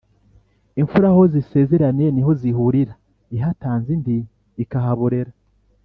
Imfura aho zisezeraniye niho zihurira ihatanze indi ikahaborera